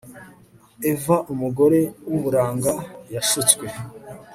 Eva umugore wuburanga yashutswe